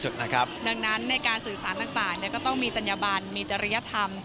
ดังนั้นในการสื่อสารต่างก็ต้องมีจัญญบันมีจริยธรรม